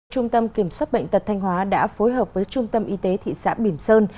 trung tâm kiểm soát bệnh tật thanh hóa đã phối hợp với trung tâm y tế thị xã bìm sơn